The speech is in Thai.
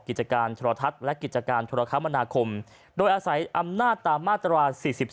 กิจการโทรทัศน์และกิจการธุรกรรมนาคมโดยอาศัยอำนาจตามมาตรา๔๒